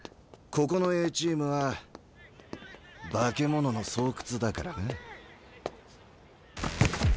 ここのＡチームは化け物の巣窟だからな。